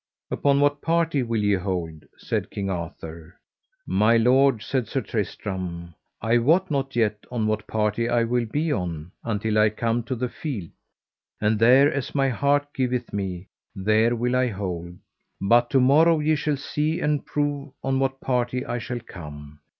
Upon what party will ye hold? said King Arthur. Truly, my lord, said Sir Tristram, I wot not yet on what party I will be on, until I come to the field, and there as my heart giveth me, there will I hold; but to morrow ye shall see and prove on what party I shall come.